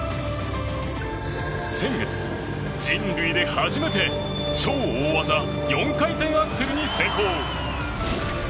先月、人類で初めて超大技４回転アクセルに成功！